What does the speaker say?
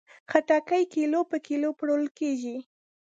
خټکی کیلو په کیلو پلورل کېږي.